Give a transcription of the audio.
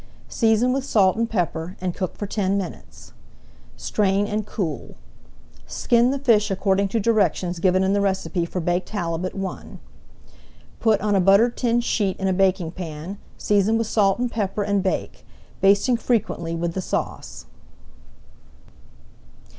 Season with salt and pepper, and cook for ten minutes. Strain and [Page 173] cool. Skin the fish according to directions given in the recipe for Baked Halibut I. Put on a buttered tin sheet in a baking pan, season with salt and pepper, and bake, basting frequently with the sauce.